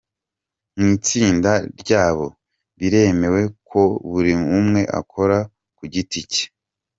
mu itsinda ryabo biremewe ko buri umwe akora ku giti cye.